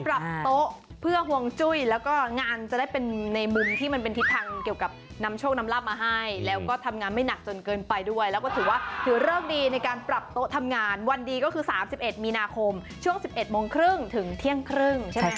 ปรับโต๊ะเพื่อห่วงจุ้ยแล้วก็งานจะได้เป็นในมุมที่มันเป็นทิศทางเกี่ยวกับนำโชคนำลาบมาให้แล้วก็ทำงานไม่หนักจนเกินไปด้วยแล้วก็ถือว่าถือเลิกดีในการปรับโต๊ะทำงานวันดีก็คือ๓๑มีนาคมช่วง๑๑โมงครึ่งถึงเที่ยงครึ่งใช่ไหมค